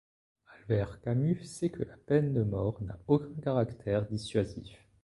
Albert Camus sait que la peine de mort n'a aucun caractère dissuasif.